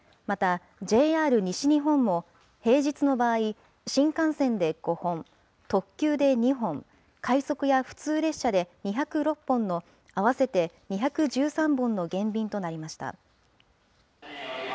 またＪＲ西日本も平日の場合、新幹線で５本、特急で２本、快速や普通列車で２０６本の合わせて２１３本の減便となりました。